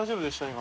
今。